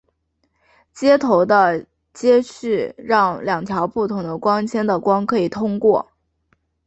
接头的接续让两条不同的光纤的光可以通过。